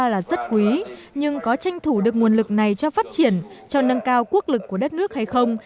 là rất quý nhưng có tranh thủ được nguồn lực này cho phát triển cho nâng cao quốc lực của đất nước hay không